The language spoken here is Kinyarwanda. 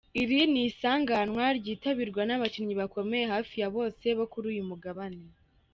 Iri ni isiganwa ryitabirwa n’abakinnyi bakomeye hafi ya bose bo kuri uyu mugabane.